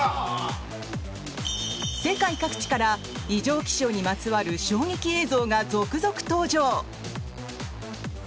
世界各地から異常気象にまつわる衝撃映像が続々登場！